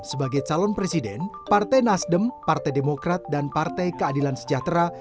sebagai calon presiden partai nasdem partai demokrat dan partai keadilan sejahtera